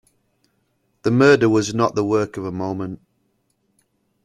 The murder was not the work of a moment.